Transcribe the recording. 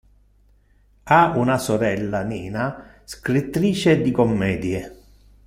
Ha una sorella, Nina, scrittrice di commedie.